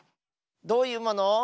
どういうもの？